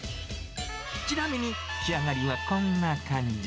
ちなみに仕上がりはこんな感じ。